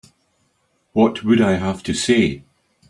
What would I have to say?